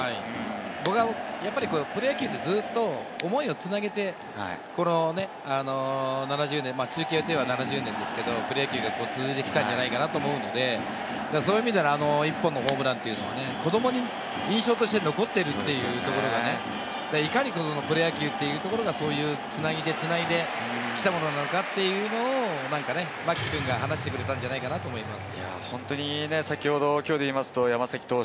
僕はプロ野球って、ずっと思いを繋げて、この７０年、中継で言えば７０年ですけれども、プロ野球が続いてきたんじゃないかなと思うので、そういう意味で１本のホームランというのはね、子どもに印象として残っているということがね、いかにプロ野球というところが繋いで繋いできたものなのかというのを、何かね、牧くんが話してくれたんじゃないかなと思います。